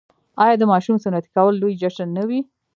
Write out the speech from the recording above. آیا د ماشوم سنتي کول لوی جشن نه وي؟